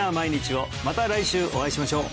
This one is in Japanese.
また来週お会いしましょう！